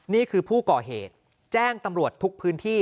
นี่คือผู้ก่อเหตุแจ้งตำรวจทุกพื้นที่